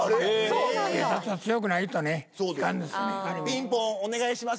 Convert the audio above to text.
ピンポン「お願いします